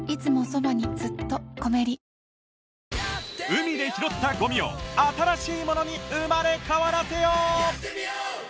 海で拾ったゴミを新しいものに生まれ変わらせよう！